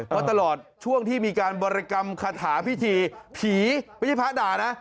เพราะตลอดช่วงที่มีการบริกรรมคาถาพิธีผีไม่ใช่พระด่านะ